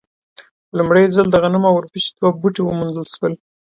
لومړی ځل د غنمو او اوربشو دوه بوټي وموندل شول.